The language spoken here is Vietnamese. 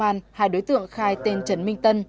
tại chủ sở công an hai đối tượng khai tên trần minh tân